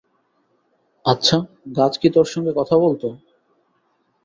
আচ্ছা, গাছ কি তোর সঙ্গে কথা বলত?